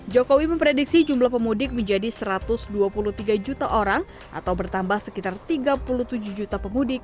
jokowi memprediksi jumlah pemudik menjadi satu ratus dua puluh tiga juta orang atau bertambah sekitar tiga puluh tujuh juta pemudik